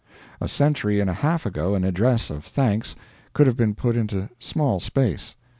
A century and a half ago an address of thanks could have been put into small space.